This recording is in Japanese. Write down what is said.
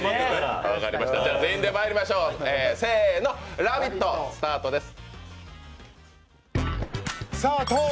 全員でまいりましょう、「ラヴィット！」スタートです。